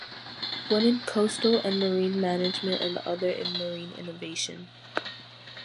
One in Coastal and Marine Management and the other in Marine Innovation.